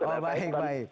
oh baik baik